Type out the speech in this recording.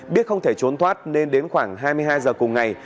biết không thể trốn thoát nên đến khoảng hai mươi hai giờ cùng ngày